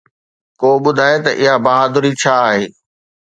ڪو ٻڌائي ته اها بهادري ڇا آهي؟